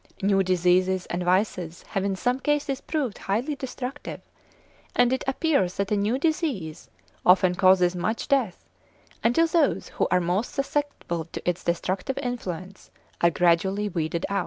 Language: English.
New diseases and vices have in some cases proved highly destructive; and it appears that a new disease often causes much death, until those who are most susceptible to its destructive influence are gradually weeded out (33.